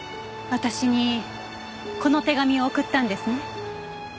私にこの手紙を送ったんですね？